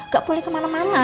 gak boleh kemana mana